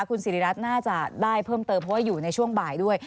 คุณสิริรัตน์น่าจะได้เพิ่มเติมเพราะว่าอยู่ในช่วงบ่ายด้วย